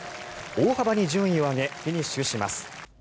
大幅に順位を上げフィニッシュします。